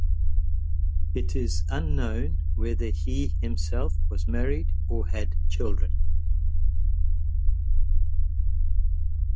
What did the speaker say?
It is unknown whether he himself was married or had children.